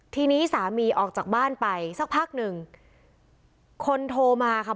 ทีนี้สามีออกจากบ้านไปสักพักหนึ่งคนโทรมาค่ะ